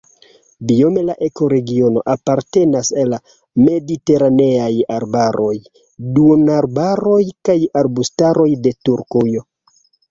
Biome la ekoregiono apartenas al la mediteraneaj arbaroj, duonarbaroj kaj arbustaroj de Turkujo.